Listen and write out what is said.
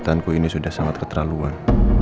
kesehatanku ini sudah sangat keterlaluan